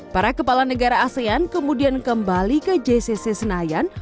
para kepala negara asean kemudian kembali ke jcc senayan